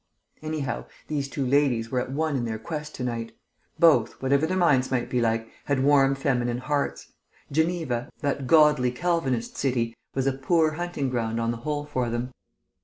Anyhow, these two ladies were at one in their quest to night. Both, whatever their minds might be like, had warm feminine hearts. Geneva, that godly Calvinist city, was a poor hunting ground on the whole for them.